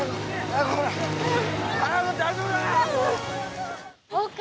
大丈夫か？